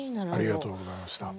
ありがとうございます